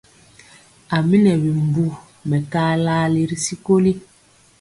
A mi nɛ bimbu mɛkalali ri sikoli.